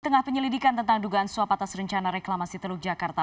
tengah penyelidikan tentang dugaan suap atas rencana reklamasi teluk jakarta